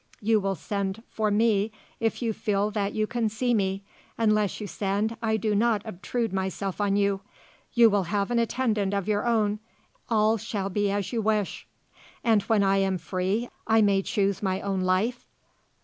"You will send for me if you feel that you can see me; unless you send I do not obtrude myself on you. You will have an attendant of your own. All shall be as you wish." "And when I am free I may choose my own life?"